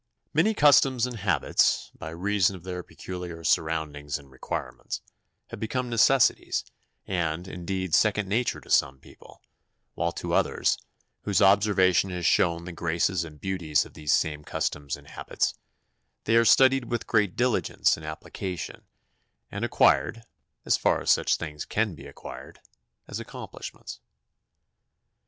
Many customs and habits, by reason of their peculiar surroundings and requirements, have become necessities, and, indeed, second nature to some people; while to others, whose observation has shown the graces and beauties of these same customs and habits, they are studied with great diligence and application, and acquired, as far as such things can be acquired, as accomplishments.